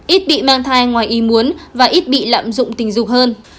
ít bị mang thai ngoài ý muốn và ít bị lạm dụng tình dục hơn